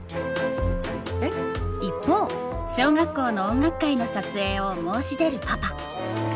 えっ？一方小学校の音楽会の撮影を申し出るパパ。